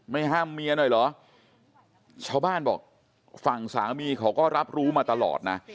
ห้ามเมียหน่อยเหรอชาวบ้านบอกฝั่งสามีเขาก็รับรู้มาตลอดนะ